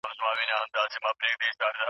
که پوهه نه وي نو د واقعیت درک ګران دی.